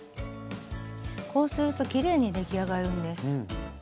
こうするときれいに出来上がるんです。